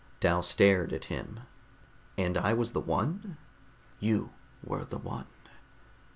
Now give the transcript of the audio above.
Dal stared at him. "And I was the one?" "You were the one.